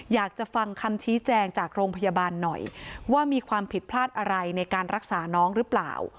อยากจะฟังคำชี้แจงจากโรงพยาบาลหน่อยว่ามีความผิดพลาดอะไรในการรักษาน้องหรือเปล่า